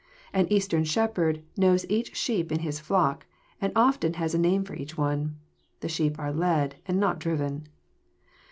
An Eastern shepherd knows each sheep in his flock, and often has a name for each one. The sheep are led, and not driven.